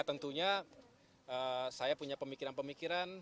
tentunya saya punya pemikiran pemikiran